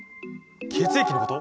血液のこと？